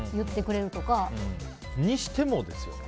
それにしても、ですよ。